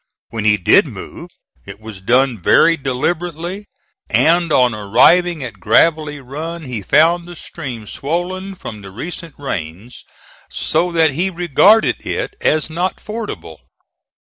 When he did move it was done very deliberately, and on arriving at Gravelly Run he found the stream swollen from the recent rains so that he regarded it as not fordable.